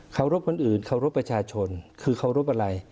รบคนอื่นเคารพประชาชนคือเคารพอะไร